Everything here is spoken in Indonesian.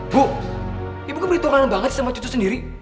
bu ibu keberituan banget sama cucu sendiri